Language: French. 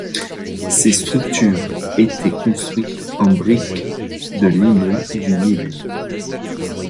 Ces structures étaient construites en briques de limon du Nil.